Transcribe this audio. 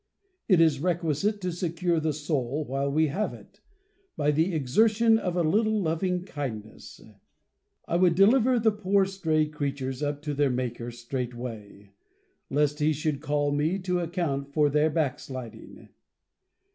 It is requisite to secure the soul while we have it, by the exertion of a little loving kindness. I would deliver the poor stray creatures up to their Maker straightway, lest he should call me to account for their backsliding.